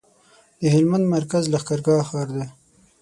د هلمند مرکز لښکرګاه ښار دی